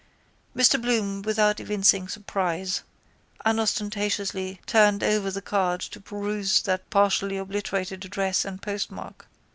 Mr Bloom, without evincing surprise, unostentatiously turned over the card to peruse the partially obliterated address and postmark.